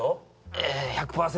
ええ１００％